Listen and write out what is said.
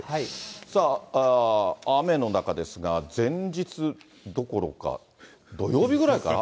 さあ、雨の中ですが、前日どころか、土曜日ぐらいから？